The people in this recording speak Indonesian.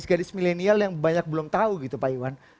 gak ada gadis gadis milenial yang banyak belum tahu gitu pak iwan